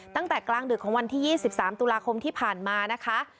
ตั้งแต่กลางดึกของวันที่๒๓ตุลาคมที่ผ่านมานะคะ